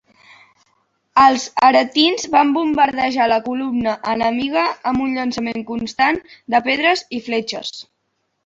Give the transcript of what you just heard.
Els aretins van bombardejar la columna enemiga amb un llançament constant de pedres i fletxes.